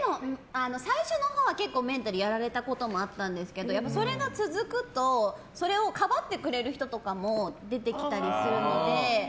でも、最初のほうは結構メンタルをやられたこともあったんですけどそれが続くとそれをかばってくれる人とかも出てきたりするので。